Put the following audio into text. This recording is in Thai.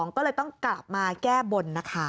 ก็เลยต้องกลับมาแก้บนนะคะ